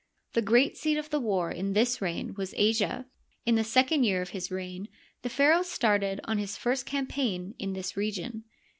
The great seat of the war in this reign was Asia. In the second year of his reign the pharaoh started on his first campaign in this region.